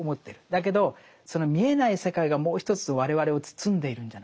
だけどその見えない世界がもう一つ我々を包んでいるんじゃないか。